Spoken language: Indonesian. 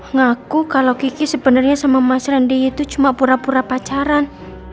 ngaku kalau kiki sebenarnya sama mas randi itu cuma pura pura pacaran